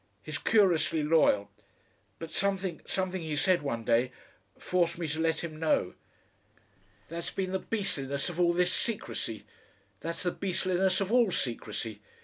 He's curiously loyal. But something, something he said one day forced me to let him know.... That's been the beastliness of all this secrecy. That's the beastliness of all secrecy.